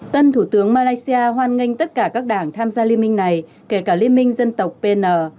tân thủ tướng malaysia hoan nghênh tất cả các đảng tham gia liên minh này kể cả liên minh dân tộc pn